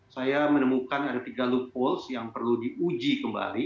saya menemukan ada tiga loopholes yang perlu diuji kembali